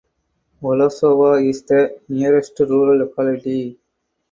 Volosovo is the nearest rural locality.